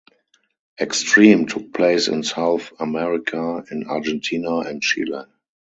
"X-Treme" took place in South America, in Argentina and Chile.